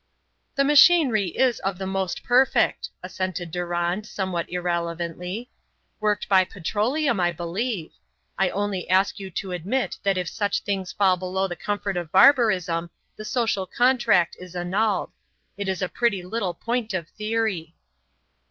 "The machinery is of the most perfect," assented Durand, somewhat irrelevantly; "worked by petroleum, I believe. I only ask you to admit that if such things fall below the comfort of barbarism, the social contract is annulled. It is a pretty little point of theory."